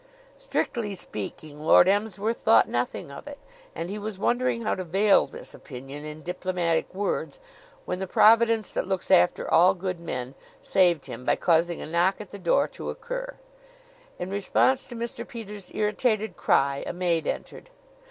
Strictly speaking, Lord Emsworth thought nothing of it; and he was wondering how to veil this opinion in diplomatic words, when the providence that looks after all good men saved him by causing a knock at the door to occur. In response to Mr. Peters' irritated cry a maid entered.